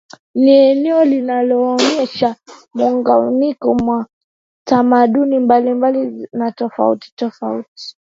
Ni eneo linaloonesha muunganiko wa tamaduni mbalimbali na tofauti tofauti